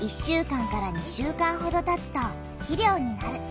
１週間２週間ほどたつと肥料になる。